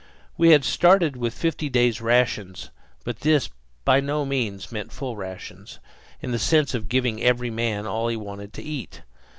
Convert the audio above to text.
We had started with fifty days' rations; but this by no means meant full rations, in the sense of giving every man all he wanted to eat.